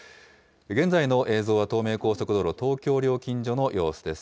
現在の映像は東名高速道路、東京料金所の様子です。